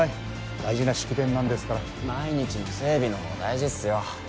大事な式典なんですから毎日の整備のほうが大事っすよ